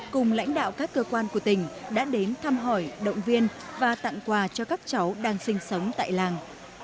cùng lãnh đạo các cơ quan của tỉnh đã đến thăm hỏi động viên và tặng quà cho các cháu đang sinh sống tại làng